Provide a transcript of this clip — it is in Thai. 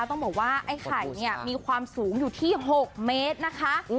ต้องบอกว่าไอ้ไข่เนี่ยมีความสูงอยู่ที่๖เมตรนะคะ